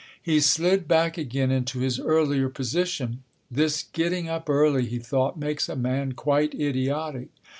He slid back again into his earlier position. "This getting up early," he thought, "makes a man quite idiotic.